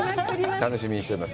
楽しみにしています。